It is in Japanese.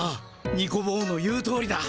ニコ坊の言うとおりだ。